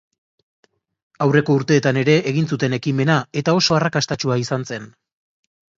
Aurreko urteetan ere egin zuten ekimena, eta oso arrakastatsua izan zen.